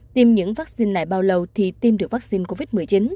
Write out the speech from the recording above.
tiêm những vaccine lại bao lâu thì tiêm được vaccine covid một mươi chín